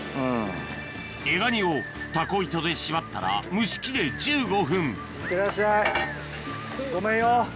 エガニをたこ糸で縛ったら蒸し器で１５分ごめんよ。